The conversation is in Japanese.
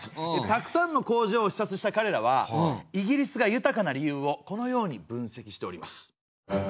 たくさんの工場を視察したかれらはイギリスが豊かな理由をこのようにぶんせきしております。